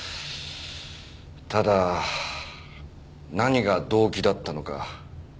ただ何が動機だったのか。